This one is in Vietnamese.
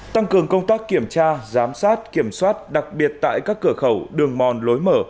tăng cường công tác kiểm tra giám sát kiểm soát đặc biệt tại các cửa khẩu đường mòn lối mở